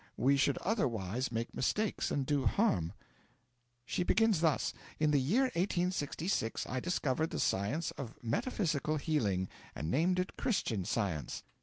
We should otherwise make mistakes and do harm. She begins thus: "In the year 1866 I discovered the Science of Metaphysical Healing, and named it Christian Science."